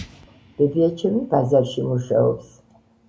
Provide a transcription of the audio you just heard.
ბებიაჩემი ბაზარში მუშაობს